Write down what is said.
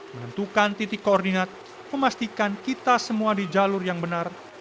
menentukan titik koordinat memastikan kita semua di jalur yang benar